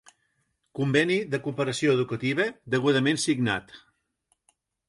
Conveni de cooperació educativa, degudament signat.